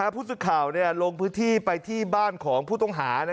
ผู้สื่อข่าวลงพื้นที่ไปที่บ้านของผู้ต้องหา